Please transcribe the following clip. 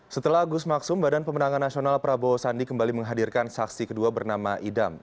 setelah agus maksum badan pemenangan nasional prabowo sandi kembali menghadirkan saksi kedua bernama idam